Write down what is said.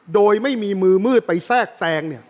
โดยไม่มีมือมืดไปแทรกแทรง